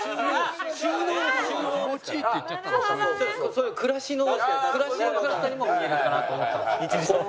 そういう暮らしの暮らしのかるたにも見えるかなと思ったんです。